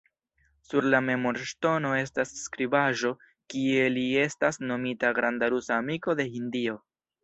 Sur la memorŝtono estas skribaĵo, kie li estas nomita “granda rusa amiko de Hindio.